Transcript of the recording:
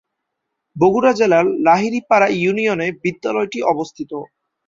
বগুড়া জেলার লাহিড়ী পাড়া ইউনিয়নে বিদ্যালয়টি অবস্থিত।